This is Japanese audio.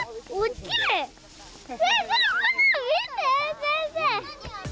先生。